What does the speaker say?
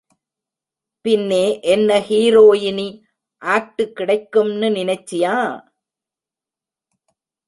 பின்னே என்ன ஹீரோயினி ஆக்ட்டு கிடைக்கும்னு நினைச்சியா.?